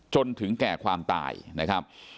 จนถึงแก่ความตายนะครับ